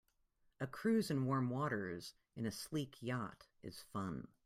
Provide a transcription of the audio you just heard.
A cruise in warm waters in a sleek yacht is fun.